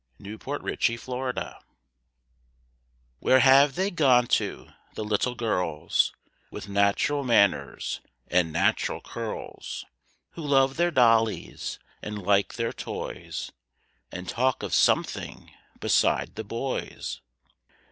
WANTED A LITTLE GIRL Where have they gone to the little girls With natural manners and natural curls; Who love their dollies and like their toys, And talk of something besides the boys?